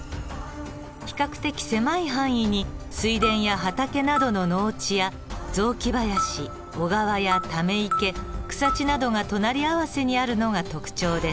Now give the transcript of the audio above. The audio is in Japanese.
比較的狭い範囲に水田や畑などの農地や雑木林小川やため池草地などが隣り合わせにあるのが特徴です。